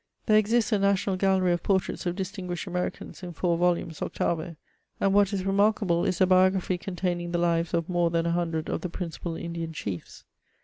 There exists a national gallery of portraits of disting^shed Americans, in four volumes, 8vo. ; and what is remarkable is a biography containing the lives of more than a hundred of the principal Indian chiefs.